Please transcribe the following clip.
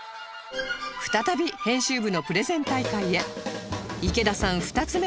再び編集部のプレゼン大会へ